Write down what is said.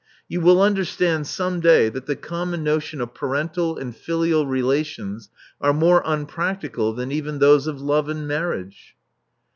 You will understand some day that the common notion of parental and filial relations are more unpractical than even those of love and marriage.